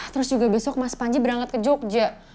terus juga besok mas panji berangkat ke jogja